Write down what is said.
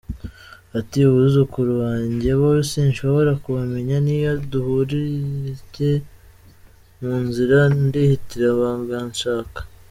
Ati “Abuzukuru banjye bo sinshobora kubamenya niyo duhurirye mu nzira ndihitira Banganshaka”.